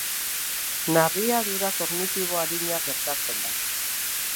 Narriadura kognitibo arina gertatzen da.